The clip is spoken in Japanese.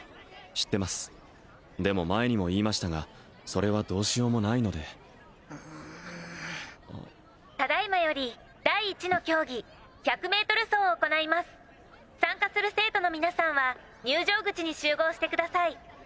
知ってますでも前にも言いましたがそれはどうしようもないのでただ今より第一の競技１００メートル走を行います参加する生徒の皆さんは入場口に集合してください